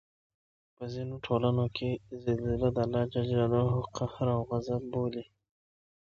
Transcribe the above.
په ځینو ټولنو کې زلزله د الله ج قهر او غصب بولي